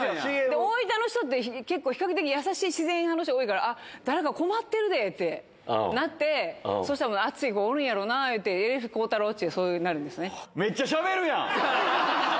大分の人って、結構比較的優しい自然派の人多いから、あっ、誰か困ってるでってなって、そうしたら、暑い子おるんやろなっていうて、えー、こうたろうって、そうなるめっちゃしゃべるやん。